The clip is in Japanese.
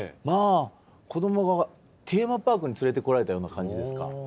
まあ子どもがテーマパークに連れて来られたような感じですか。